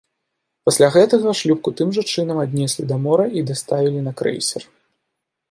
Пасля гэтага шлюпку тым жа чынам аднеслі да мора і даставілі на крэйсер.